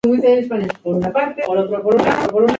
Se encuentra en Australia, la isla de Flores y Nueva Guinea.